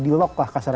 di lock lah kasar